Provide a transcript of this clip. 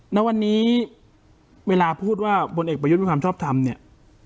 ณวันนี้เวลาพูดว่าพลเอกประยุทธ์มีความชอบทำเนี่ย